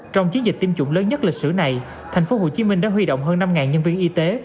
trong chiến dịch tiêm chủng lớn nhất lịch sử này thành phố hồ chí minh đã huy động hơn năm nhân viên y tế